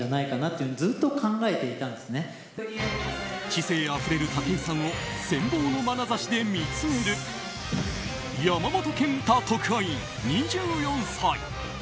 知性あふれる武井さんを羨望のまなざしで見つめる山本賢太特派員、２４歳。